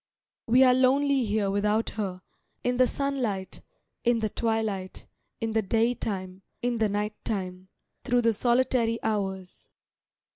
"We are lonely here without her, In the sunlight, in the twilight, In the daytime, in the night time, Through the solitary hours."